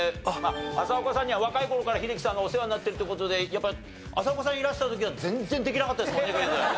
浅丘さんには若い頃から英樹さんがお世話になってるっていう事でやっぱ浅丘さんいらした時は全然できなかったですもんねクイズ。